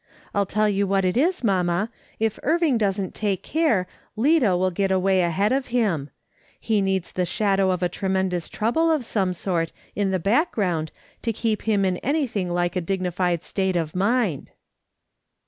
I'll tell you what it is, mamma, if Irving doesn't take care Lida will get away ahead of him ; he needs the shadow of a tre mendous trouble of some sort, in the background, to keep him in anything like a dignified state of mind."